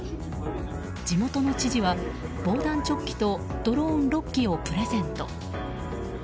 地元の知事は、防弾チョッキとドローン６機をプレゼント。